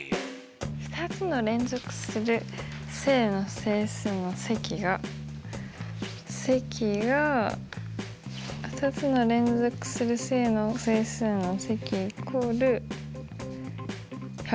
２つの連続する正の整数の積が積が２つの連続する正の整数の積＝１１０になるんだよね。